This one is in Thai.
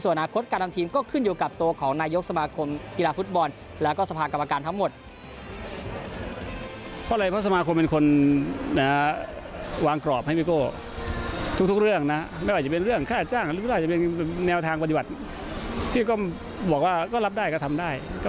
อนาคตการทำทีมก็ขึ้นอยู่กับตัวของนายกสมาคมกีฬาฟุตบอลแล้วก็สภากรรมการทั้งหมด